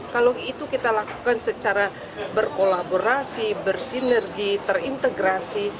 kalau itu kita lakukan secara berkolaborasi bersinergi terintegrasi